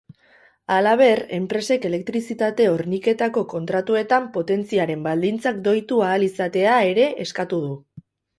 Halaber, enpresek elektrizitate-horniketako kontratuetan potentziaren baldintzak doitu ahal izatea ere eskatu du.